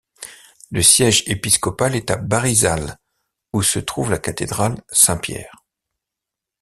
Le siège épiscopal est à Barisal, où se trouve la cathédrale Saint-Pierre.